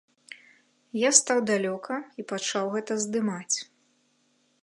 Я стаў далёка і пачаў гэта здымаць.